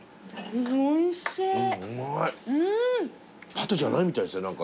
パテじゃないみたいですね何か。